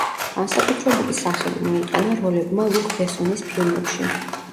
განსაკუთრებული სახელი მოუტანა როლებმა ლუკ ბესონის ფილმებში.